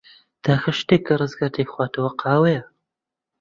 تاکە شتێک کە ڕزگار دەیخواتەوە، قاوەیە.